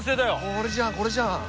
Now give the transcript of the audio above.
これじゃんこれじゃん。